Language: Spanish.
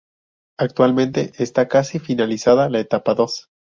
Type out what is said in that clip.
Actualmente esta casi finalizada la etapa dos.